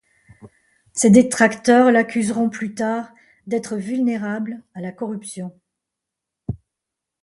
Ses détracteurs l'accuseront plus tard d'être vulnérable à la corruption.